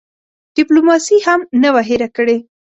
ډیپلوماسي هم نه وه هېره کړې.